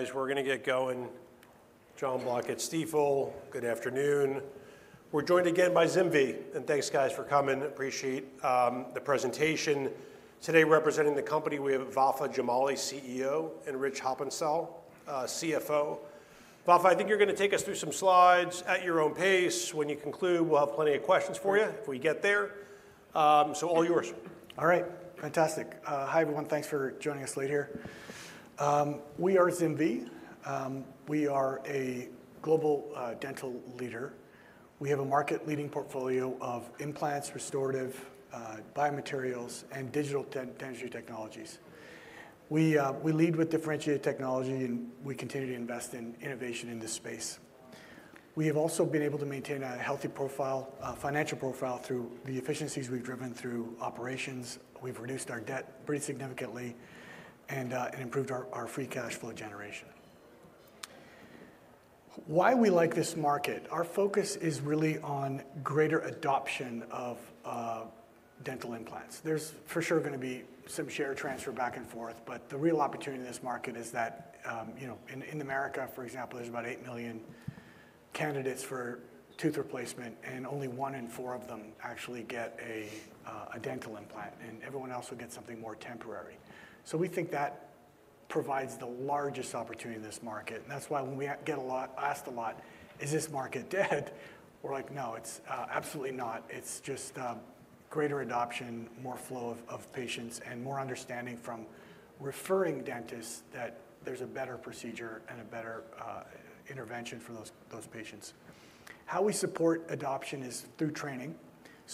As we're going to get going, John Black at Stephens. Good afternoon. We're joined again by ZimVie, and thanks, guys, for coming. Appreciate the presentation. Today, representing the company, we have Vafa Jamali, CEO, and Rich Heppenstall, CFO. Vafa, I think you're going to take us through some slides at your own pace. When you conclude, we'll have plenty of questions for you if we get there. All yours. All right. Fantastic. Hi, everyone. Thanks for joining us late here. We are ZimVie. We are a global dental leader. We have a market-leading portfolio of implants, restorative biomaterials, and digital dentistry technologies. We lead with differentiated technology, and we continue to invest in innovation in this space. We have also been able to maintain a healthy financial profile through the efficiencies we've driven through operations. We've reduced our debt pretty significantly and improved our free cash flow generation. Why we like this market? Our focus is really on greater adoption of dental implants. There's for sure going to be some share transfer back and forth, but the real opportunity in this market is that in America, for example, there's about 8 million candidates for tooth replacement, and only one in four of them actually get a dental implant, and everyone else will get something more temporary. We think that provides the largest opportunity in this market. That is why when we get asked a lot, "Is this market dead?" we're like, "No, it's absolutely not." It is just greater adoption, more flow of patients, and more understanding from referring dentists that there is a better procedure and a better intervention for those patients. How we support adoption is through training.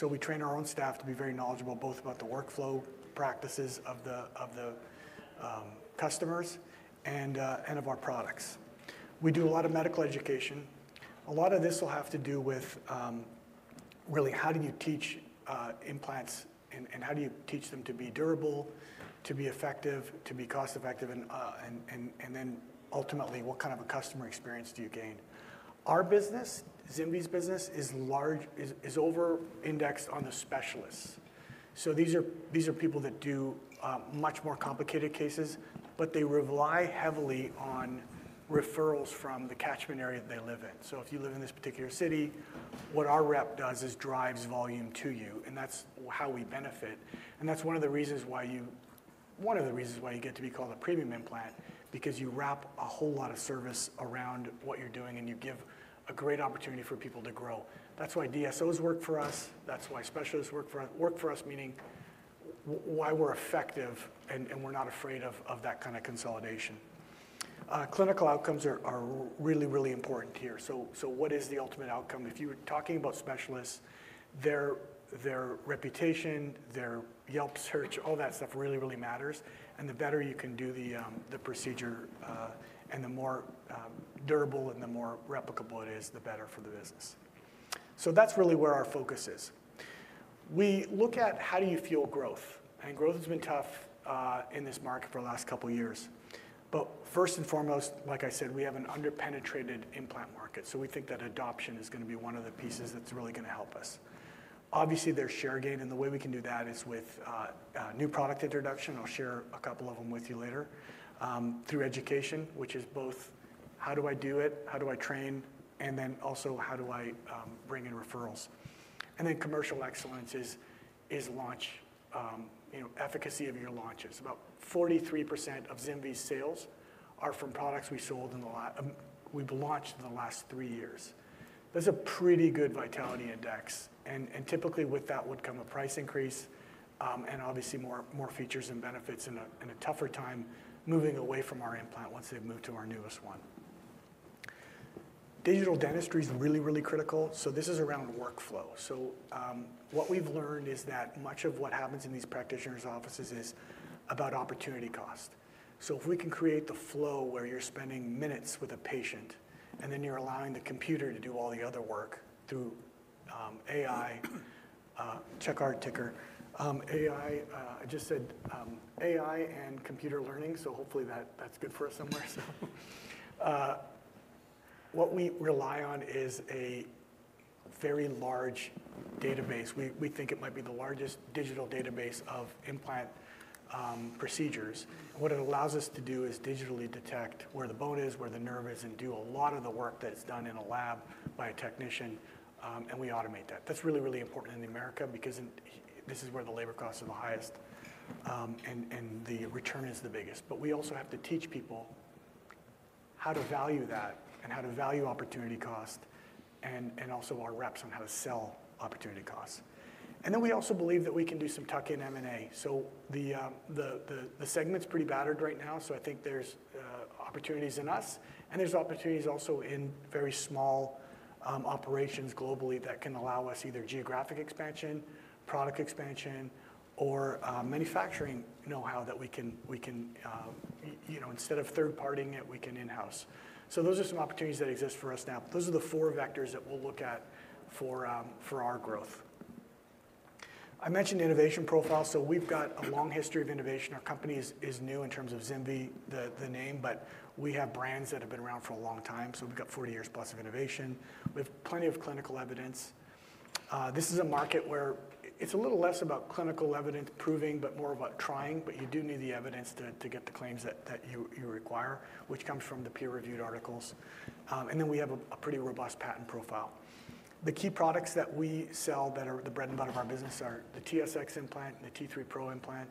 We train our own staff to be very knowledgeable both about the workflow practices of the customers and of our products. We do a lot of medical education. A lot of this will have to do with really how do you teach implants and how do you teach them to be durable, to be effective, to be cost-effective, and then ultimately, what kind of a customer experience do you gain? Our business, ZimVie's business, is over-indexed on the specialists. These are people that do much more complicated cases, but they rely heavily on referrals from the catchment area that they live in. If you live in this particular city, what our rep does is drives volume to you, and that's how we benefit. That's one of the reasons why you get to be called a premium implant, because you wrap a whole lot of service around what you're doing, and you give a great opportunity for people to grow. That's why DSOs work for us. That's why specialists work for us, meaning why we're effective and we're not afraid of that kind of consolidation. Clinical outcomes are really, really important here. What is the ultimate outcome? If you're talking about specialists, their reputation, their Yelp search, all that stuff really, really matters. The better you can do the procedure and the more durable and the more replicable it is, the better for the business. That is really where our focus is. We look at how do you fuel growth. Growth has been tough in this market for the last couple of years. First and foremost, like I said, we have an under-penetrated implant market. We think that adoption is going to be one of the pieces that is really going to help us. Obviously, there is share gain, and the way we can do that is with new product introduction. I will share a couple of them with you later. Through education, which is both how do I do it, how do I train, and then also how do I bring in referrals. Commercial excellence is efficacy of your launches. About 43% of ZimVie's sales are from products we sold in the—we've launched in the last three years. There's a pretty good vitality index, and typically with that would come a price increase and obviously more features and benefits in a tougher time moving away from our implant once they've moved to our newest one. Digital dentistry is really, really critical. This is around workflow. What we've learned is that much of what happens in these practitioners' offices is about opportunity cost. If we can create the flow where you're spending minutes with a patient and then you're allowing the computer to do all the other work through AI—check our ticker. AI, I just said AI and computer learning, so hopefully that's good for us somewhere. What we rely on is a very large database. We think it might be the largest digital database of implant procedures. What it allows us to do is digitally detect where the bone is, where the nerve is, and do a lot of the work that is done in a lab by a technician, and we automate that. That is really, really important in America because this is where the labor costs are the highest and the return is the biggest. We also have to teach people how to value that and how to value opportunity cost and also our reps on how to sell opportunity costs. We also believe that we can do some tuck-in M&A. The segment is pretty battered right now, so I think there are opportunities in us, and there are opportunities also in very small operations globally that can allow us either geographic expansion, product expansion, or manufacturing know-how that we can—instead of third-partying it, we can in-house. Those are some opportunities that exist for us now. Those are the four vectors that we'll look at for our growth. I mentioned innovation profile. We've got a long history of innovation. Our company is new in terms of ZimVie, the name, but we have brands that have been around for a long time. We've got 40 years plus of innovation. We have plenty of clinical evidence. This is a market where it's a little less about clinical evidence proving, but more about trying. You do need the evidence to get the claims that you require, which comes from the peer-reviewed articles. We have a pretty robust patent profile. The key products that we sell that are the bread and butter of our business are the TSX Implant, the T3 PRO Implant,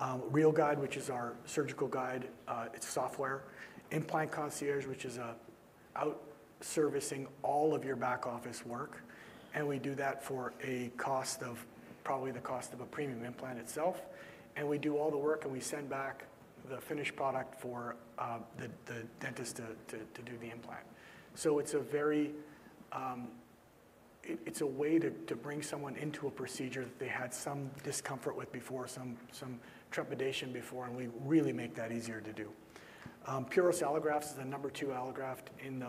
RealGUIDE, which is our surgical guide. It's software. Implant Concierge, which is outsourcing all of your back office work. We do that for a cost of probably the cost of a premium implant itself. We do all the work, and we send back the finished product for the dentist to do the implant. It is a way to bring someone into a procedure that they had some discomfort with before, some trepidation before, and we really make that easier to do. Puros Allografts is the number two allograft in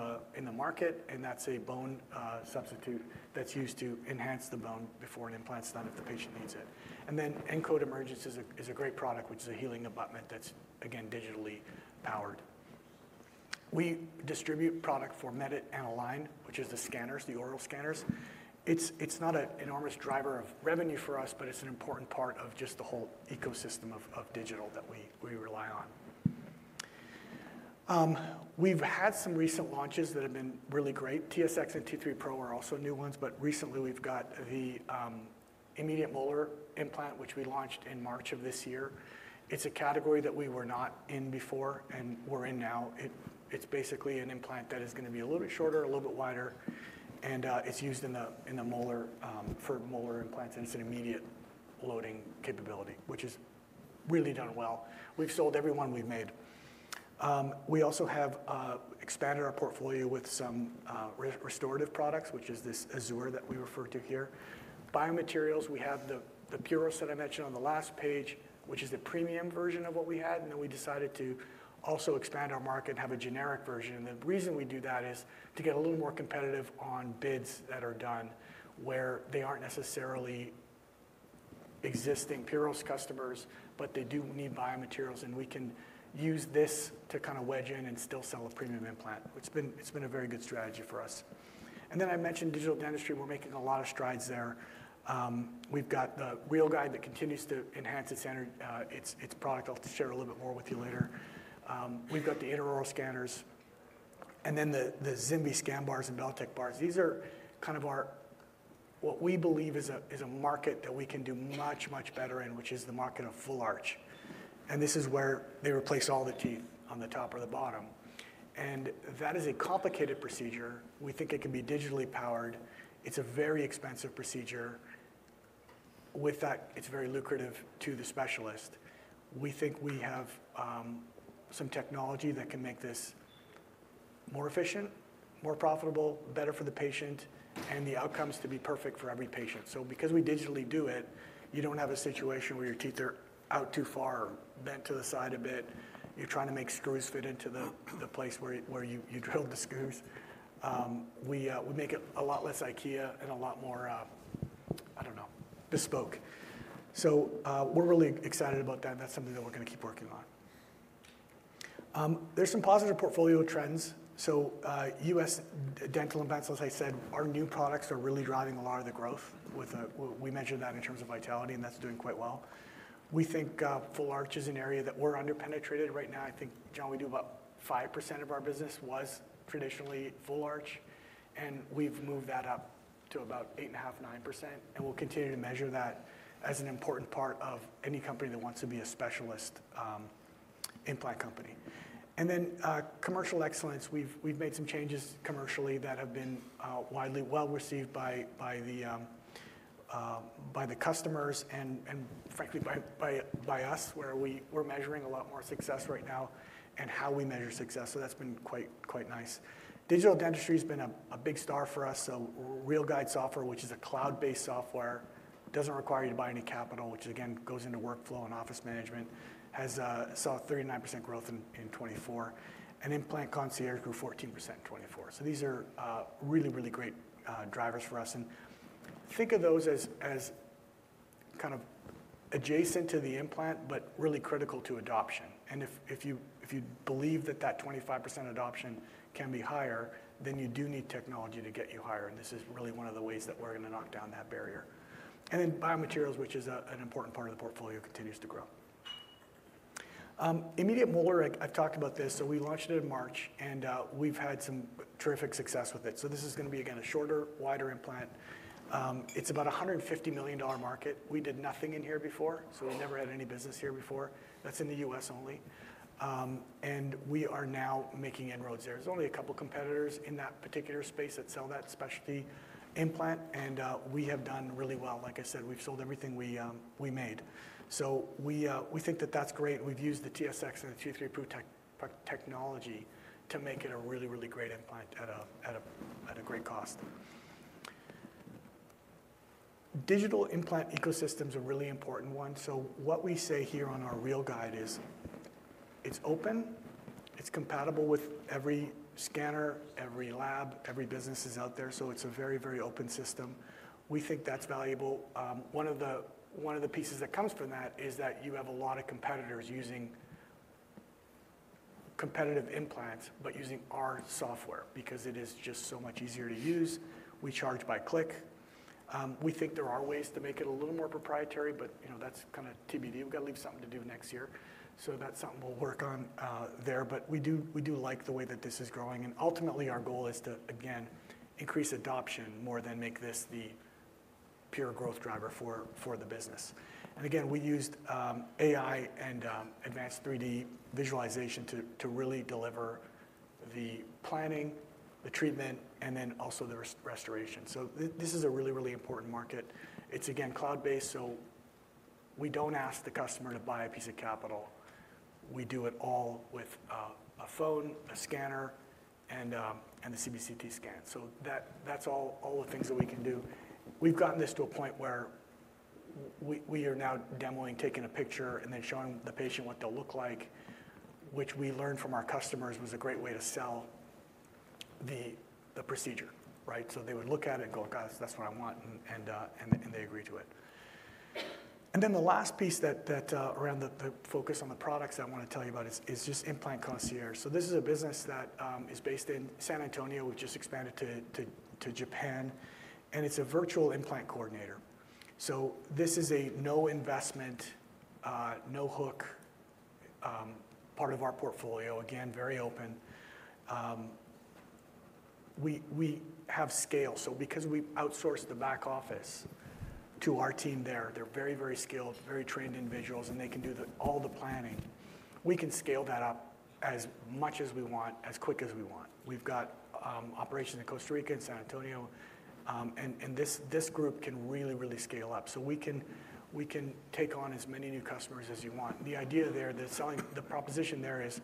the market, and that is a bone substitute that is used to enhance the bone before an implant is done if the patient needs it. Encode Emergence is a great product, which is a healing abutment that is, again, digitally powered. We distribute product for Medit and Align, which are the scanners, the oral scanners. It's not an enormous driver of revenue for us, but it's an important part of just the whole ecosystem of digital that we rely on. We've had some recent launches that have been really great. TSX and T3 PRO are also new ones, but recently we've got the Immediate Molar Implant, which we launched in March of this year. It's a category that we were not in before and we're in now. It's basically an implant that is going to be a little bit shorter, a little bit wider, and it's used in the molar for molar implants, and it's an immediate loading capability, which has really done well. We've sold every one we've made. We also have expanded our portfolio with some restorative products, which is this Azure that we refer to here. Biomaterials, we have the Puros that I mentioned on the last page, which is the premium version of what we had, and then we decided to also expand our market and have a generic version. The reason we do that is to get a little more competitive on bids that are done where they aren't necessarily existing Puros customers, but they do need biomaterials, and we can use this to kind of wedge in and still sell a premium implant. It's been a very good strategy for us. I mentioned digital dentistry. We're making a lot of strides there. We've got the RealGUIDE that continues to enhance its product. I'll share a little bit more with you later. We've got the intraoral scanners, and then the ZimVie Scan Bars and BellaTek Bars. These are kind of what we believe is a market that we can do much, much better in, which is the market of full arch. This is where they replace all the teeth on the top or the bottom. That is a complicated procedure. We think it can be digitally powered. It's a very expensive procedure. With that, it's very lucrative to the specialist. We think we have some technology that can make this more efficient, more profitable, better for the patient, and the outcomes to be perfect for every patient. Because we digitally do it, you do not have a situation where your teeth are out too far or bent to the side a bit. You're trying to make screws fit into the place where you drilled the screws. We make it a lot less IKEA and a lot more, I do not know, bespoke. We're really excited about that, and that's something that we're going to keep working on. There's some positive portfolio trends. U.S. dental implants, as I said, our new products are really driving a lot of the growth. We mentioned that in terms of vitality, and that's doing quite well. We think full arch is an area that we're under-penetrated right now. I think, John, we do about 5% of our business was traditionally full arch, and we've moved that up to about 8.5%-9%, and we'll continue to measure that as an important part of any company that wants to be a specialist implant company. Then commercial excellence. We've made some changes commercially that have been widely well received by the customers and, frankly, by us, where we're measuring a lot more success right now and how we measure success. That's been quite nice. Digital dentistry has been a big star for us. RealGUIDE software, which is a cloud-based software, does not require you to buy any capital, which again goes into workflow and office management, saw 39% growth in 2024. Implant Concierge grew 14% in 2024. These are really, really great drivers for us. Think of those as kind of adjacent to the implant, but really critical to adoption. If you believe that that 25% adoption can be higher, then you do need technology to get you higher. This is really one of the ways that we are going to knock down that barrier. Biomaterials, which is an important part of the portfolio, continues to grow. Immediate Molar, I have talked about this. We launched it in March, and we have had some terrific success with it. This is going to be, again, a shorter, wider implant. It's about a $150 million market. We did nothing in here before, so we never had any business here before. That's in the U.S. only. We are now making inroads there. There's only a couple of competitors in that particular space that sell that specialty implant, and we have done really well. Like I said, we've sold everything we made. We think that that's great. We've used the TSX and the T3 PRO technology to make it a really, really great implant at a great cost. Digital implant ecosystems are a really important one. What we say here on our RealGUIDE is it's open. It's compatible with every scanner, every lab, every business that's out there. It's a very, very open system. We think that's valuable. One of the pieces that comes from that is that you have a lot of competitors using competitive implants, but using our software because it is just so much easier to use. We charge by click. We think there are ways to make it a little more proprietary, but that's kind of TBD. We've got to leave something to do next year. That is something we'll work on there. We do like the way that this is growing. Ultimately, our goal is to, again, increase adoption more than make this the pure growth driver for the business. Again, we used AI and advanced 3D visualization to really deliver the planning, the treatment, and then also the restoration. This is a really, really important market. It is, again, cloud-based. We do not ask the customer to buy a piece of capital. We do it all with a phone, a scanner, and the CBCT scan. That is all the things that we can do. We have gotten this to a point where we are now demoing, taking a picture, and then showing the patient what they will look like, which we learned from our customers was a great way to sell the procedure, right? They would look at it and go, "Guys, that is what I want," and they agree to it. The last piece around the focus on the products I want to tell you about is just Implant Concierge. This is a business that is based in San Antonio. We have just expanded to Japan, and it is a virtual implant coordinator. This is a no-investment, no-hook part of our portfolio. Again, very open. We have scale. Because we outsource the back office to our team there, they're very, very skilled, very trained individuals, and they can do all the planning. We can scale that up as much as we want, as quick as we want. We have operations in Costa Rica and San Antonio, and this group can really, really scale up. We can take on as many new customers as you want. The idea there, the proposition there is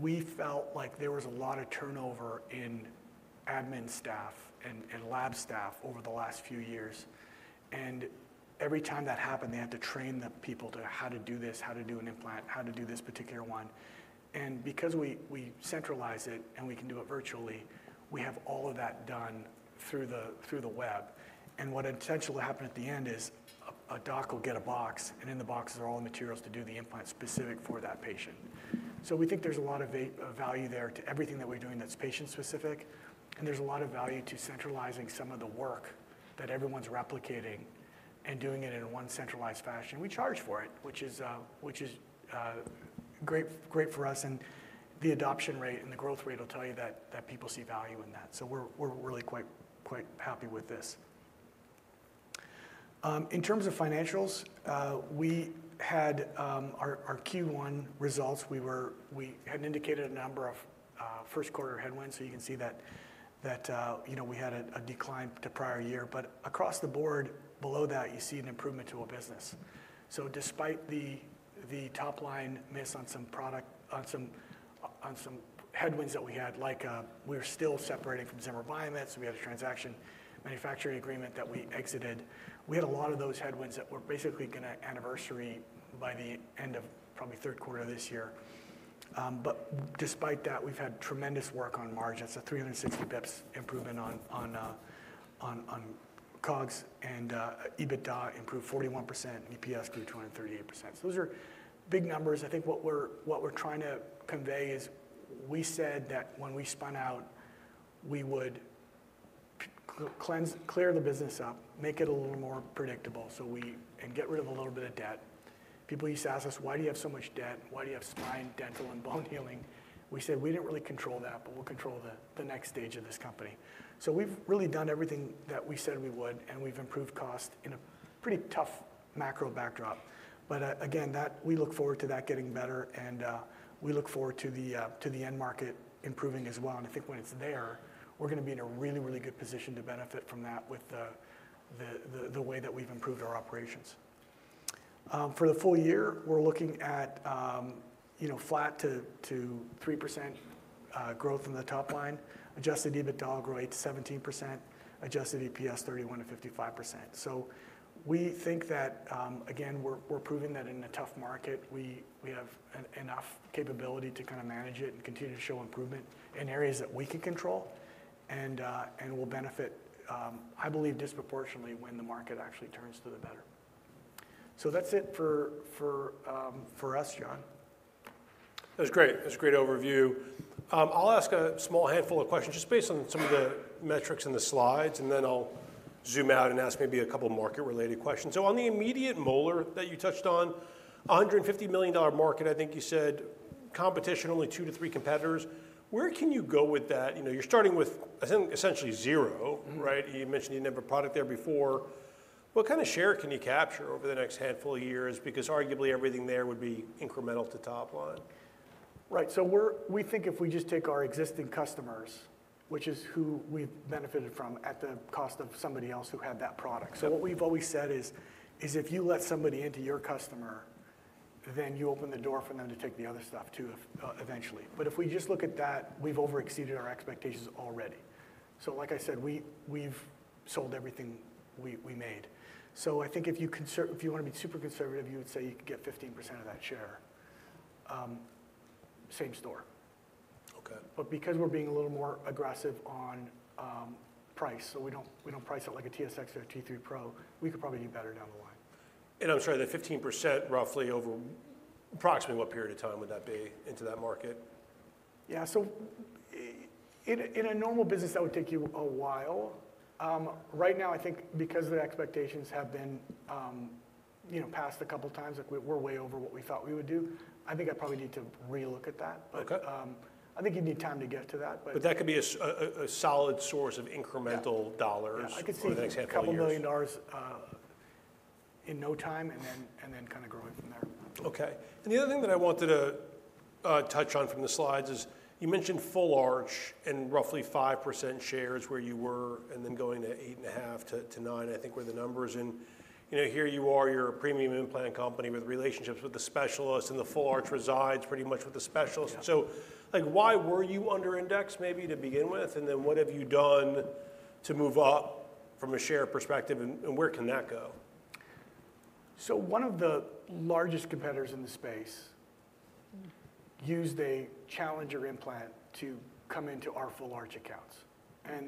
we felt like there was a lot of turnover in admin staff and lab staff over the last few years. Every time that happened, they had to train the people to how to do this, how to do an implant, how to do this particular one. Because we centralize it and we can do it virtually, we have all of that done through the web. What essentially will happen at the end is a doc will get a box, and in the box are all the materials to do the implant specific for that patient. We think there is a lot of value there to everything that we are doing that is patient-specific, and there is a lot of value to centralizing some of the work that everyone is replicating and doing it in one centralized fashion. We charge for it, which is great for us. The adoption rate and the growth rate will tell you that people see value in that. We are really quite happy with this. In terms of financials, we had our Q1 results. We had indicated a number of first-quarter headwinds, so you can see that we had a decline to prior year. Across the board, below that, you see an improvement to a business. Despite the top-line miss on some headwinds that we had, like we were still separating from ZimVie Biomet, we had a transaction manufacturing agreement that we exited. We had a lot of those headwinds that were basically going to anniversary by the end of probably third quarter of this year. Despite that, we've had tremendous work on margins. That is a 360 basis points improvement on COGS, and EBITDA improved 41%, and EPS grew 238%. Those are big numbers. I think what we're trying to convey is we said that when we spun out, we would clear the business up, make it a little more predictable, and get rid of a little bit of debt. People used to ask us, "Why do you have so much debt? Why do you have spine, dental, and bone healing?" We said, "We did not really control that, but we will control the next stage of this company." We have really done everything that we said we would, and we have improved cost in a pretty tough macro backdrop. We look forward to that getting better, and we look forward to the end market improving as well. I think when it is there, we are going to be in a really, really good position to benefit from that with the way that we have improved our operations. For the full year, we are looking at flat 3% growth in the top line, adjusted EBITDA growth to 17%, adjusted EPS 31%-55%. We think that, again, we're proving that in a tough market, we have enough capability to kind of manage it and continue to show improvement in areas that we can control and will benefit, I believe, disproportionately when the market actually turns to the better. That is it for us, John. That was great. That was a great overview. I'll ask a small handful of questions just based on some of the metrics in the slides, and then I'll zoom out and ask maybe a couple of market-related questions. On the Immediate Molar Implant that you touched on, $150 million market, I think you said competition, only two to three competitors. Where can you go with that? You're starting with essentially zero, right? You mentioned you did not have a product there before. What kind of share can you capture over the next handful of years? Because arguably everything there would be incremental to top line. Right. So we think if we just take our existing customers, which is who we've benefited from at the cost of somebody else who had that product. What we've always said is if you let somebody into your customer, then you open the door for them to take the other stuff too eventually. If we just look at that, we've overexceeded our expectations already. Like I said, we've sold everything we made. I think if you want to be super conservative, you would say you could get 15% of that share, same store. Because we're being a little more aggressive on price, we don't price it like a TSX or a T3 PRO, we could probably do better down the line. I'm sorry, that 15%, roughly over approximately what period of time would that be into that market? Yeah. In a normal business, that would take you a while. Right now, I think because the expectations have been past a couple of times, we're way over what we thought we would do. I think I probably need to re-look at that, but I think you need time to get to that. That could be a solid source of incremental dollars. Yeah. I could see a couple of million dollars in no time and then kind of growing from there. Okay. The other thing that I wanted to touch on from the slides is you mentioned full arch and roughly 5% shares where you were and then going to 8.5%-9%, I think were the numbers. Here you are, you're a premium implant company with relationships with the specialists, and the full arch resides pretty much with the specialists. Why were you under-indexed maybe to begin with? What have you done to move up from a share perspective, and where can that go? One of the largest competitors in the space used a challenger implant to come into our full arch accounts.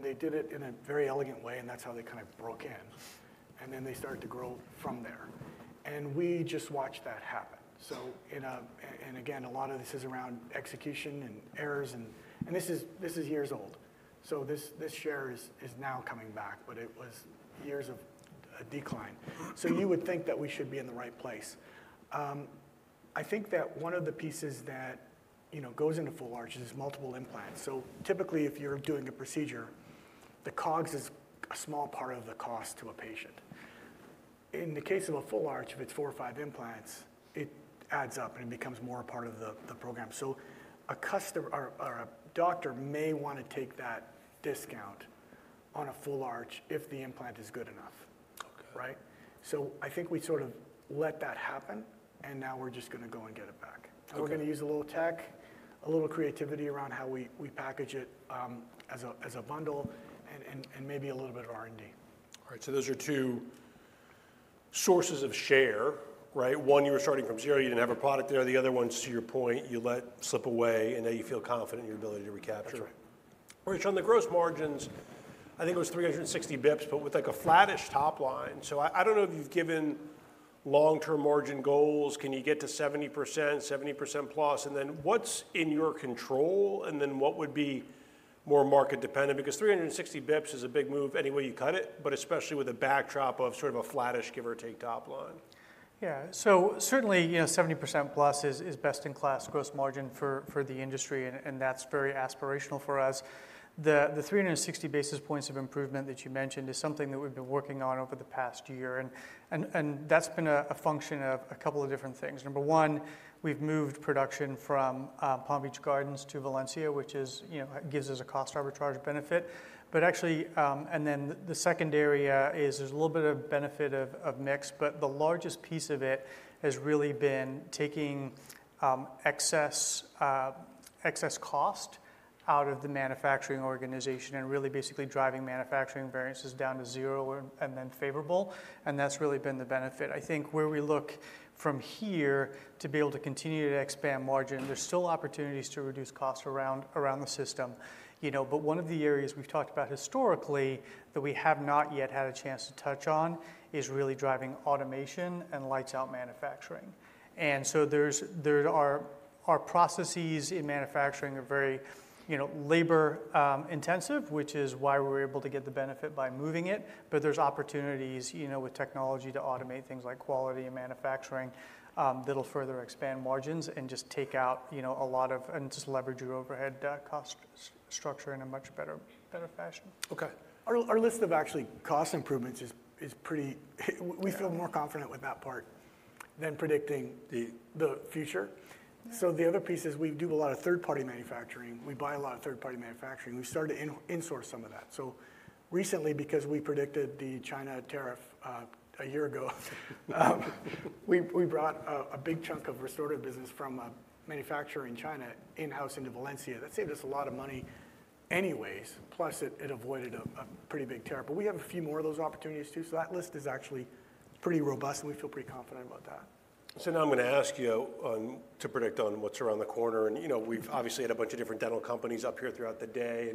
They did it in a very elegant way, and that is how they kind of broke in. Then they started to grow from there. We just watched that happen. Again, a lot of this is around execution and errors. This is years old. This share is now coming back, but it was years of decline. You would think that we should be in the right place. I think that one of the pieces that goes into full arches is multiple implants. Typically, if you are doing a procedure, the COGS is a small part of the cost to a patient. In the case of a full arch, if it is four or five implants, it adds up and becomes more a part of the program. A doctor may want to take that discount on a full arch if the implant is good enough, right? I think we sort of let that happen, and now we're just going to go and get it back. We're going to use a little tech, a little creativity around how we package it as a bundle, and maybe a little bit of R&D. All right. Those are two sources of share, right? One, you were starting from zero. You did not have a product there. The other one, to your point, you let slip away, and now you feel confident in your ability to recapture. That's right. All right. so, the gross margins, I think it was 360 basis points, but with a flattish top line. I do not know if you've given long-term margin goals. Can you get to 70%, 70%+? And then what's in your control, and then what would be more market-dependent? Because 360 bps is a big move any way you cut it, but especially with a backdrop of sort of a flattish, give or take top line. Yeah. Certainly, 70%+ is best-in-class gross margin for the industry, and that's very aspirational for us. The 360 basis points of improvement that you mentioned is something that we've been working on over the past year, and that's been a function of a couple of different things. Number one, we've moved production from Palm Beach Gardens to Valencia, which gives us a cost arbitrage benefit. The second area is there's a little bit of benefit of mix, but the largest piece of it has really been taking excess cost out of the manufacturing organization and really basically driving manufacturing variances down to zero and then favorable. That's really been the benefit. I think where we look from here to be able to continue to expand margin, there's still opportunities to reduce costs around the system. One of the areas we've talked about historically that we have not yet had a chance to touch on is really driving automation and lights-out manufacturing. Our processes in manufacturing are very labor-intensive, which is why we're able to get the benefit by moving it. There are opportunities with technology to automate things like quality and manufacturing that will further expand margins and just take out a lot of and just leverage your overhead cost structure in a much better fashion. Okay. Our list of actually cost improvements is pretty, we feel more confident with that part than predicting the future. The other piece is we do a lot of third-party manufacturing. We buy a lot of third-party manufacturing. We've started to insource some of that. Recently, because we predicted the China tariff a year ago, we brought a big chunk of restorative business from a manufacturer in China in-house into Valencia. That saved us a lot of money anyways, plus it avoided a pretty big tariff. We have a few more of those opportunities too. That list is actually pretty robust, and we feel pretty confident about that. Now I'm going to ask you to predict on what's around the corner. We've obviously had a bunch of different dental companies up here throughout the day.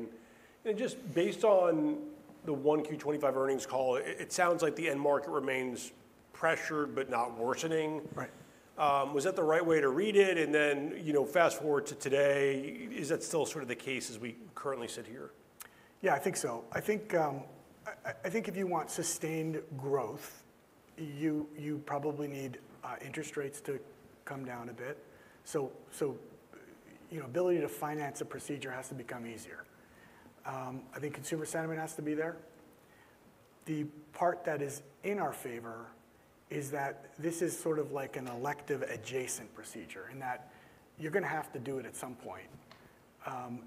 Just based on the one Q2 2025 earnings call, it sounds like the end market remains pressured but not worsening. Was that the right way to read it? Fast forward to today, is that still sort of the case as we currently sit here? Yeah, I think so. I think if you want sustained growth, you probably need interest rates to come down a bit. So ability to finance a procedure has to become easier. I think consumer sentiment has to be there. The part that is in our favor is that this is sort of like an elective adjacent procedure in that you're going to have to do it at some point.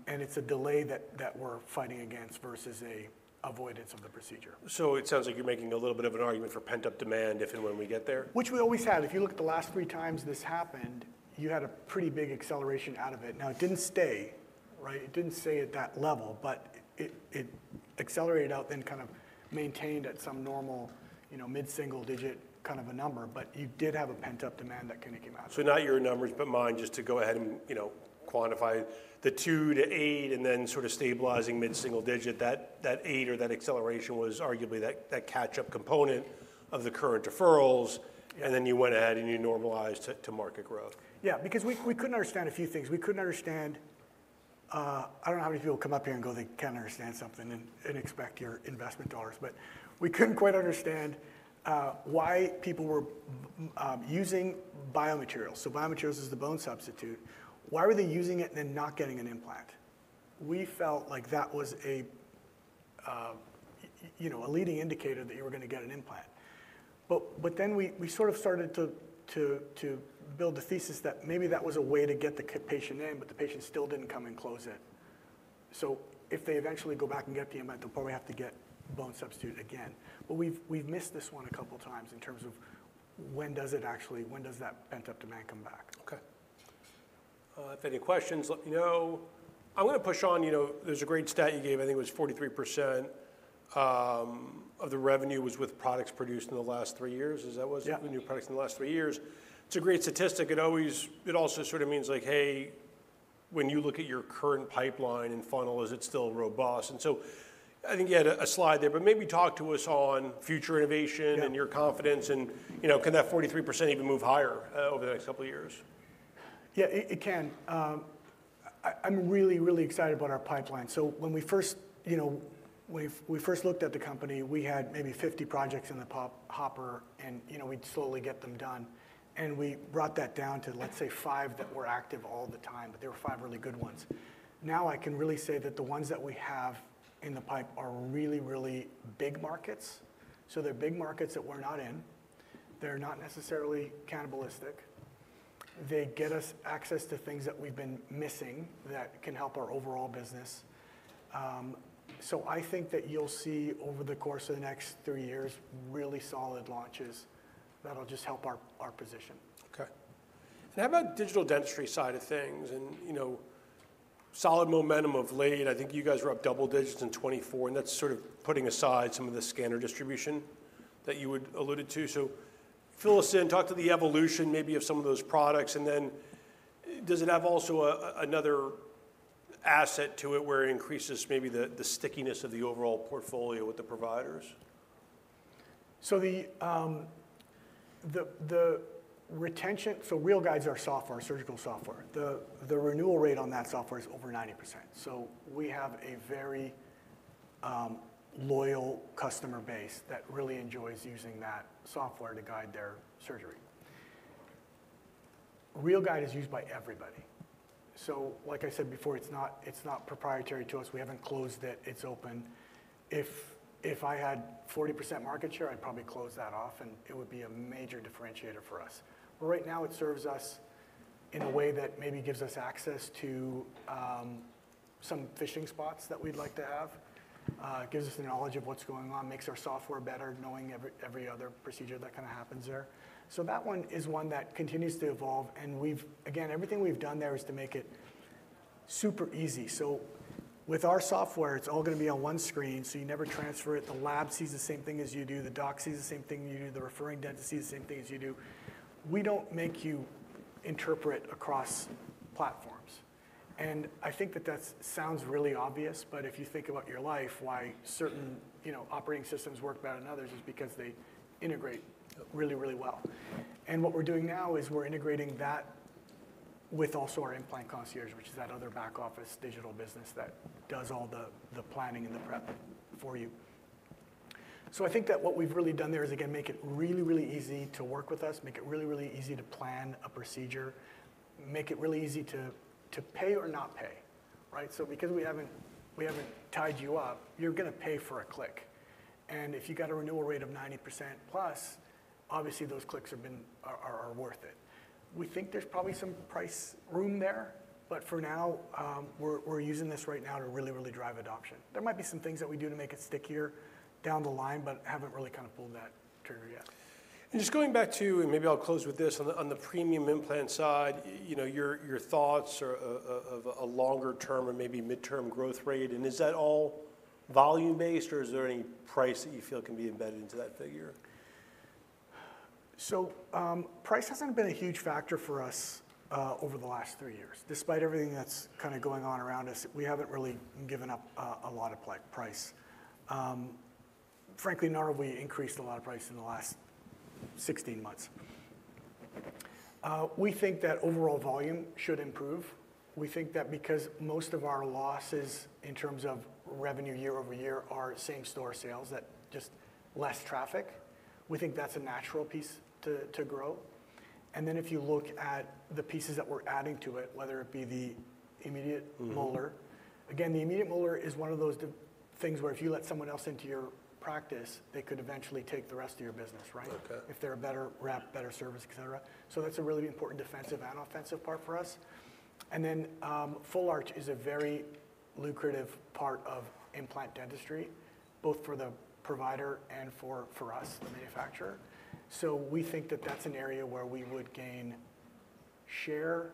And it's a delay that we're fighting against versus an avoidance of the procedure. It sounds like you're making a little bit of an argument for pent-up demand if and when we get there. Which we always have. If you look at the last three times this happened, you had a pretty big acceleration out of it. Now, it did not stay, right? It did not stay at that level, but it accelerated out, then kind of maintained at some normal mid-single digit kind of a number. You did have a pent-up demand that can accumulate. Not your numbers, but mine, just to go ahead and quantify the two to eight and then sort of stabilizing mid-single digit. That eight or that acceleration was arguably that catch-up component of the current deferrals. Then you went ahead and you normalized to market growth. Yeah. Because we couldn't understand a few things. We couldn't understand, I don't know how many people come up here and go they can't understand something and expect your investment dollars. We couldn't quite understand why people were using biomaterials. So biomaterials is the bone substitute. Why were they using it and then not getting an implant? We felt like that was a leading indicator that you were going to get an implant. Then we sort of started to build a thesis that maybe that was a way to get the patient in, but the patient still didn't come and close it. If they eventually go back and get the implant, they'll probably have to get bone substitute again. We've missed this one a couple of times in terms of when does that pent-up demand come back. Okay. If any questions, let me know. I'm going to push on. There's a great stat you gave. I think it was 43% of the revenue was with products produced in the last three years. Is that what was it? Yeah. With new products in the last three years. It's a great statistic. It also sort of means like, hey, when you look at your current pipeline and funnel, is it still robust? I think you had a slide there, but maybe talk to us on future innovation and your confidence. Can that 43% even move higher over the next couple of years? Yeah, it can. I'm really, really excited about our pipeline. When we first looked at the company, we had maybe 50 projects in the hopper, and we'd slowly get them done. We brought that down to, let's say, five that were active all the time, but there were five really good ones. Now I can really say that the ones that we have in the pipe are really, really big markets. They're big markets that we're not in. They're not necessarily cannibalistic. They get us access to things that we've been missing that can help our overall business. I think that you'll see over the course of the next three years really solid launches that'll just help our position. Okay. How about digital dentistry side of things and solid momentum of late. I think you guys were up double digits in 2024, and that is sort of putting aside some of the scanner distribution that you had alluded to. Fill us in, talk to the evolution maybe of some of those products. Does it have also another asset to it where it increases maybe the stickiness of the overall portfolio with the providers? The retention, so RealGUIDE is our software, surgical software. The renewal rate on that software is over 90%. We have a very loyal customer base that really enjoys using that software to guide their surgery. RealGUIDE is used by everybody. Like I said before, it is not proprietary to us. We have not closed it. It is open. If I had 40% market share, I would probably close that off, and it would be a major differentiator for us. Right now, it serves us in a way that maybe gives us access to some fishing spots that we would like to have, gives us the knowledge of what is going on, makes our software better, knowing every other procedure that kind of happens there. That one is one that continues to evolve. Again, everything we have done there is to make it super easy. With our software, it's all going to be on one screen, so you never transfer it. The lab sees the same thing as you do. The doc sees the same thing you do. The referring dentist sees the same thing as you do. We don't make you interpret across platforms. I think that that sounds really obvious, but if you think about your life, why certain operating systems work better than others is because they integrate really, really well. What we're doing now is we're integrating that with also our implant concierge, which is that other back office digital business that does all the planning and the prep for you. I think that what we've really done there is, again, make it really, really easy to work with us, make it really, really easy to plan a procedure, make it really easy to pay or not pay, right? Because we haven't tied you up, you're going to pay for a click. And if you got a renewal rate of 90%+, obviously those clicks are worth it. We think there's probably some price room there, but for now, we're using this right now to really, really drive adoption. There might be some things that we do to make it stickier down the line, but haven't really kind of pulled that trigger yet. Just going back to, and maybe I'll close with this, on the premium implant side, your thoughts of a longer term or maybe midterm growth rate. Is that all volume-based, or is there any price that you feel can be embedded into that figure? Price has not been a huge factor for us over the last three years. Despite everything that is kind of going on around us, we have not really given up a lot of price. Frankly, nor have we increased a lot of price in the last 16 months. We think that overall volume should improve. We think that because most of our losses in terms of revenue year-over- year are same store sales, that is just less traffic, we think that is a natural piece to grow. If you look at the pieces that we are adding to it, whether it be the Immediate Molar, again, the Immediate Molar is one of those things where if you let someone else into your practice, they could eventually take the rest of your business, right? If they are a better rep, better service, etc. That is a really important defensive and offensive part for us. Full arch is a very lucrative part of implant dentistry, both for the provider and for us, the manufacturer. We think that that's an area where we would gain share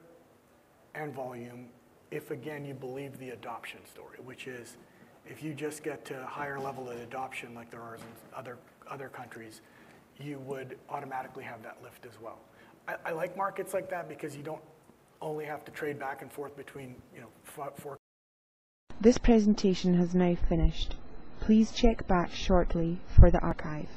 and volume if, again, you believe the adoption story, which is if you just get to a higher level of adoption like there are in other countries, you would automatically have that lift as well. I like markets like that because you don't only have to trade back and forth between four. This presentation has now finished. Please check back shortly for the archive.